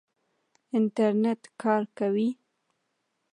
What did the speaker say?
انټرنېټ کار کوي؟